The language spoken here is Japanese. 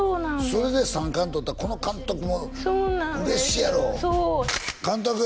それで３冠取ったこの監督も嬉しいやろうそう監督！